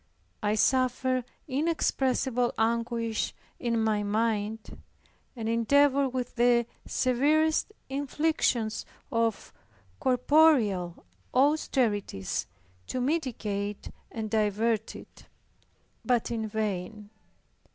I suffered inexpressible anguish in my mind, and endeavored with the severest inflictions of corporeal austerities to mitigate and divert it but in vain.